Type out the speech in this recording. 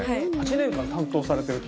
８年間担当されてる？